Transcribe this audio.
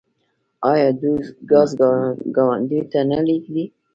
آیا دوی ګاز ګاونډیو ته نه لیږي؟